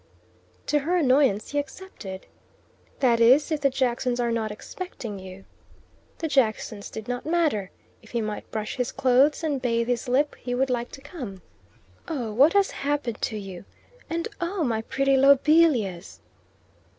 To her annoyance he accepted. "That is, if the Jacksons are not expecting you." The Jacksons did not matter. If he might brush his clothes and bathe his lip, he would like to come. "Oh, what has happened to you? And oh, my pretty lobelias!"